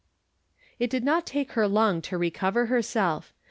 It did not take her long to recover herself.